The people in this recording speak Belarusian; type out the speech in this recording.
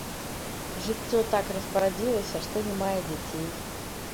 Жыццё так распарадзілася, што не мае дзяцей.